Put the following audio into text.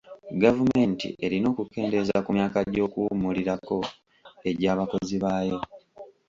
Gavumenti erina okukendeeza ku myaka gy'okuwummulirako agy'abakozi baayo.